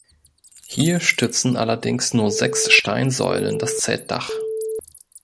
Hier stützen allerdings nur sechs Steinsäulen das Zeltdach.